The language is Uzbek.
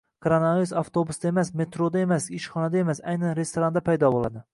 Koronavirus avtobusda emas, metroda emas, ishxonada emas, aynan restoranda paydo boʻladi.